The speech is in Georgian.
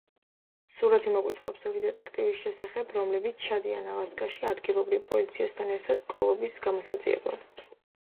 სურათი მოგვითხრობს ორი დეტექტივის შესახებ, რომლებიც ჩადიან ალასკაში ადგილობრივ პოლიციასთან ერთად მკვლელობის გამოსაძიებლად.